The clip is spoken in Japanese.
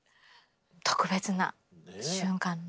特別な瞬間でした。